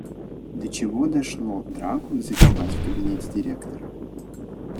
До чего дошло - драку затеваете в кабинете директора.